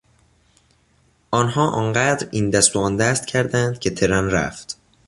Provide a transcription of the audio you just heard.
آنها آنقدر این دست و آن دست کردند که ترن رفت.